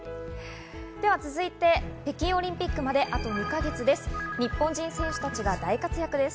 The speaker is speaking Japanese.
では続いて、北京オリンピックまであと２か月です。